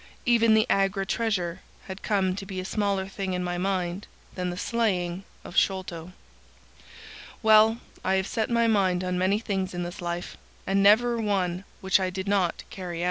Even the Agra treasure had come to be a smaller thing in my mind than the slaying of Sholto. "Well, I have set my mind on many things in this life, and never one which I did not carry out.